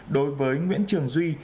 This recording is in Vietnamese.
đối với nguyễn trường duy